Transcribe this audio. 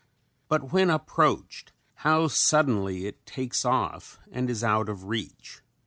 But when approached how suddenly it "takes off" and is out of reach.